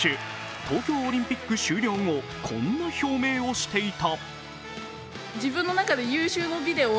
東京オリンピック終了後こんな表明をしていた。